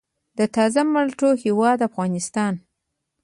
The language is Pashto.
د تازه مالټو هیواد افغانستان.